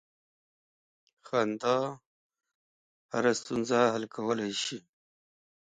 • خندا هره ستونزه حل کولی شي.